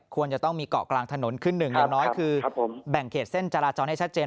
ควรจะต้องมีเกาะกลางถนนขึ้นหนึ่งอย่างน้อยคือแบ่งเขตเส้นจราจรให้ชัดเจน